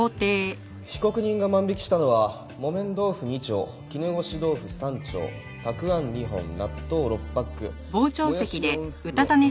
被告人が万引きしたのは木綿豆腐２丁絹ごし豆腐３丁たくあん２本納豆６パックもやし４袋梅干し２パック。